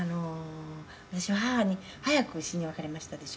「私は母に早く死に別れましたでしょ」